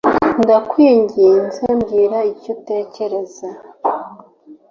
Ndakwinginze mbwira icyutekereza.